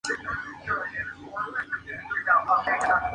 Quizás un experimento más de la compañía.